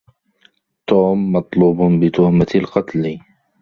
توم مطلوب بتهمة القتل.